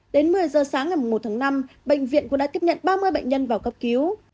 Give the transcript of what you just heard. đến một mươi giờ sáng ngày một tháng năm bệnh viện cũng đã tiếp nhận ba mươi bệnh nhân vào cấp cứu